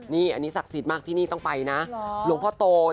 นี่สักศิรษย์มากที่นี่ต้องไปนะหลวงพ่อโต